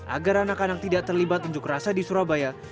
agar anak anak tidak terlibat unjuk rasa di surabaya